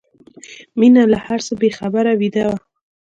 مينه له هر څه بې خبره ویده وه